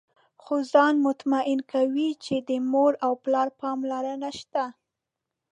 خو ځان مطمئن کوي چې د مور او پلار پاملرنه شته.